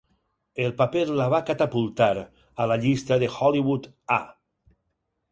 El paper la va catapultar a la llista de Hollywood A.